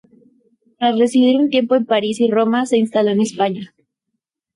Tras residir un tiempo en París y Roma, se instaló en España.